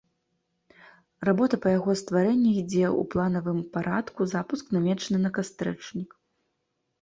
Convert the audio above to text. Работа па яго стварэнні ідзе ў планавым парадку, запуск намечаны на кастрычнік.